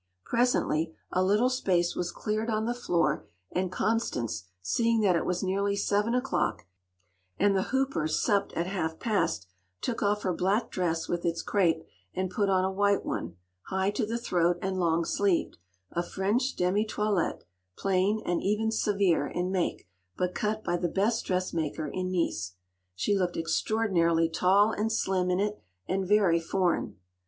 Presently a little space was cleared on the floor, and Constance, seeing that it was nearly seven o’clock, and the Hoopers supped at half past, took off her black dress with its crape, and put on a white one, high to the throat and long sleeved; a French demi toilette, plain, and even severe in make, but cut by the best dressmaker in Nice. She looked extraordinarily tall and slim in it and very foreign.